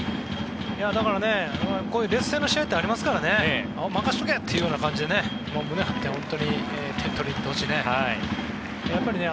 だから、こういう劣勢の試合ってありますから任せておけ！っていう感じで胸張って点取りに行ってほしいね。